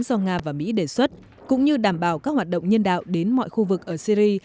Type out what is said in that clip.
do nga và mỹ đề xuất cũng như đảm bảo các hoạt động nhân đạo đến mọi khu vực ở syri